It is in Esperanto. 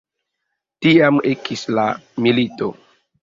Tiam ekis la milito.